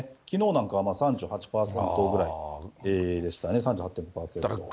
きのうなんかは３８％ぐらいでしたね、３８．５％。